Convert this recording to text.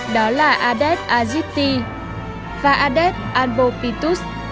đó là adet aziti và adet albopitus